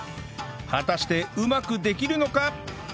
果たしてうまくできるのか？